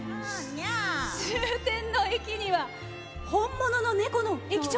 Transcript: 終点の駅には、本物の猫の駅長。